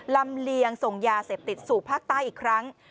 ลำเลียงส่งยาเสพติดสู่ภาคใต้อีกครั้ง